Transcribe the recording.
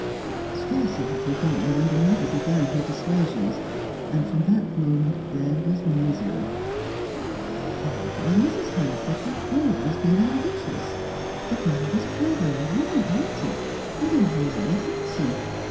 Scarcely had he gone, when the mother began her dissuasions, and from that moment there was misery. For Olga, Mrs. Hannaford had always been ambitious. The girl was clever, warm hearted, and in her way handsome.